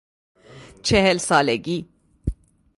چهل سالگی